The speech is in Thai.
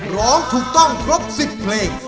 ร้องถูกต้องครบ๑๐เพลง